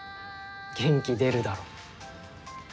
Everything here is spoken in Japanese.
元気出るだろ？